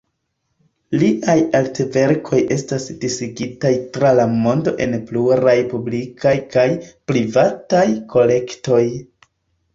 Liaj artverkoj estas disigitaj tra la mondo en pluraj publikaj kaj privataj kolektoj.